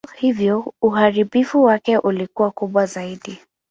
Hivyo uharibifu wake ulikuwa kubwa zaidi.